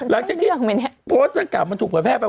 แล้วจากที่โปรดสังกรรมมันถูกผลแพทย์ไป